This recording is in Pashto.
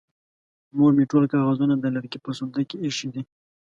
مور مې ټول کاغذونه د لرګي په صندوق کې ايښې دي.